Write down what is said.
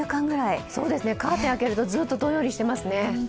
カーテン開けると、ずっとどんよりしてますね。